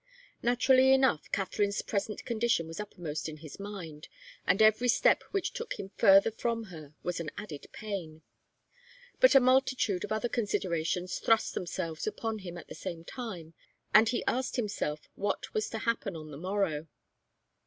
Naturally enough, Katharine's present condition was uppermost in his mind, and every step which took him further from her was an added pain. But a multitude of other considerations thrust themselves upon him at the same time, and he asked himself what was to happen on the morrow.